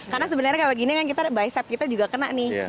karena sebenarnya kalau gini kan kita bicep kita juga kena nih